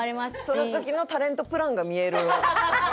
その時のタレントプランが見える表ですね